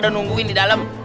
betul kan betul betul